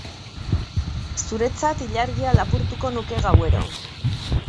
Zuretzat ilargia lapurtuko nuke gauero